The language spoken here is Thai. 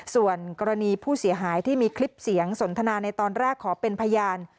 ส่วนกรณีผู้เสียหายที่มีคลิปเสียงสนทนาในตอนแรกขอเป็นพยาน